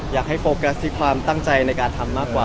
อยากให้โฟกัสที่ความตั้งใจในการทำมากกว่า